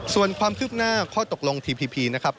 ส่วนความคืบหน้าข้อตกลงทีพีพีนะครับ